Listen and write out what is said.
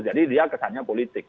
jadi dia kesannya politik